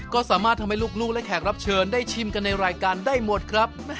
ก็สามารถทำให้ลูกและแขกรับเชิญได้ชิมกันในรายการได้หมดครับ